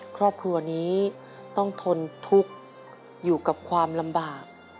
ครอบครัวนี้ต้องทนทุกข์อยู่กับความลำบาก